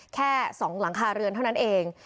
แค่๒หลังคาเรือนเท่านั้นเอง